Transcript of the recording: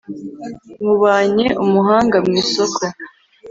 nywubanye umuhanga mu isoko